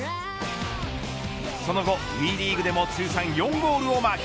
その後ＷＥリーグでも通算４ゴールをマーク。